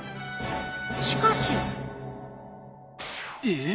しかし。え！